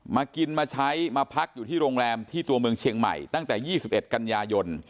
มากินมาใช้มาพักอยู่ที่โรงแรมที่ตัวเมืองเชียงใหม่ตั้งแต่๒๑กันยายน